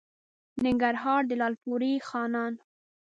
ننګرهار؛ د لالپورې خانان